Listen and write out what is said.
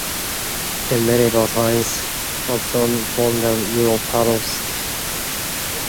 In medieval times, Hoxton formed a rural part of Shoreditch parish.